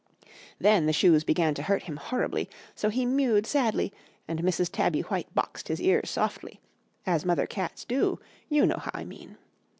Then the shoes began to hurt him horribly, so he mewed sadly; and Mrs. Tabby White boxed his ears softly as mother cats do; you know how I mean!